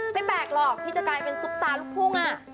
ไม่แปลกหรอกที่จะกลายเป็นซุปตาลกพุ่งอ่ะ